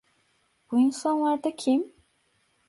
Bu insanlar da kim?